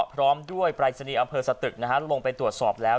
พร้อมด้วยปรายศนีย์อำเภอสตึกลงไปตรวจสอบแล้ว